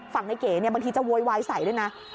ฝั่งในเก๋บางทีจะโวยวายใส่ด้วยนะ